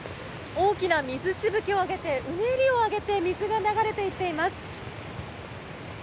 大きな水しぶきを上げてうねりを上げて水が流れていっています。